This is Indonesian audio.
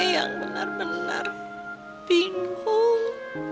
yang benar benar bingung